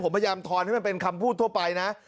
ผมพยายามทอนให้มันเป็นคำพูดทั่วไปนะ